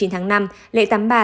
hai mươi chín tháng năm lễ tắm bà